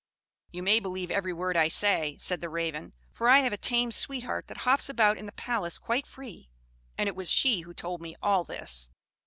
You may believe every word I say," said the Raven; "for I have a tame sweetheart that hops about in the palace quite free, and it was she who told me all this.